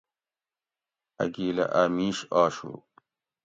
ا گِیلہ ا مِیش آشو